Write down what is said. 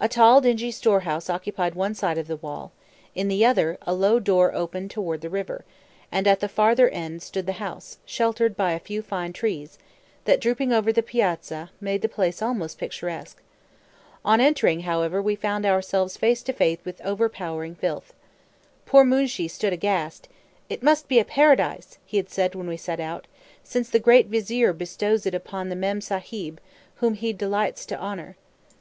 A tall, dingy storehouse occupied one side of the wall; in the other, a low door opened toward the river; and at the farther end stood the house, sheltered by a few fine trees, that, drooping over the piazza, made the place almost picturesque. On entering, however, we found ourselves face to face with overpowering filth. Poor Moonshee stood aghast. "It must be a paradise," he had said when we set out, "since the great Vizier bestows it upon the Mem Sahib, whom he delights to honor."